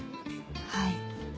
はい。